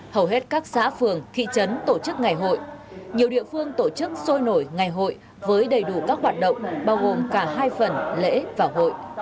hầu hết các xã phường thị trấn tổ chức ngày hội nhiều địa phương tổ chức sôi nổi ngày hội với đầy đủ các hoạt động bao gồm cả hai phần lễ và hội